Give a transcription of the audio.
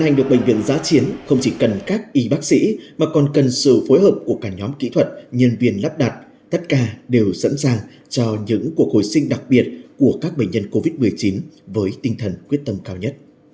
hãy đăng kí cho kênh lalaschool để không bỏ lỡ những video hấp dẫn